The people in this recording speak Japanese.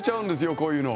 こういうの。